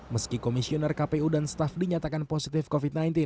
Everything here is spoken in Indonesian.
meski komisioner kpu dan staf dinyatakan positif covid sembilan belas